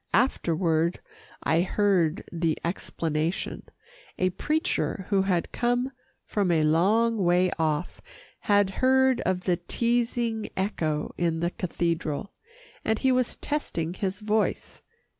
Afterward, I heard the explanation. A preacher who had come from a long way off, had heard of the teasing echo in the cathedral, and he was testing his voice.